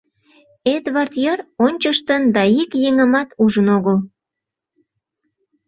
Эдвард йыр ончыштын да ик еҥымат ужын огыл.